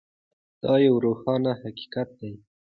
دا یو روښانه حقیقت دی.